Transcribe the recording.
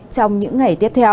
trong những ngày tiếp theo